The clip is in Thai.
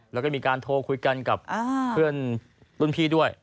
แล้วก็มีการโทรคุยกันกับเพื่อนรุ่นพี่ด้วย